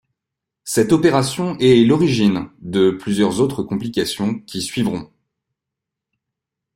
Cette opération est l'origine de plusieurs autres complications qui suivront.